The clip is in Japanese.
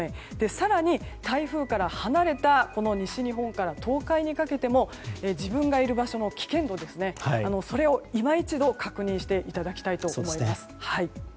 更に台風から離れた西日本から東海にかけても自分がいる場所の危険度を今一度、確認していただきたいと思います。